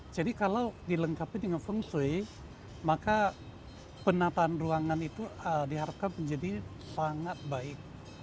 jadi kalau dilengkapi dengan feng shui maka penataan ruangan itu diharapkan menjadi sangat baik